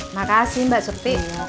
makasih mbak surti